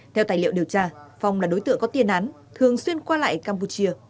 theo tài liệu điều tra phong là đối tượng có tiên án thường xuyên qua lại campuchia